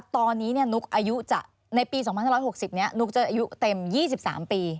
ตอนนี้นุ๊กอายุจะในปี๒๕๖๐นี้นุ๊กจะอายุเต็ม๒๓ปี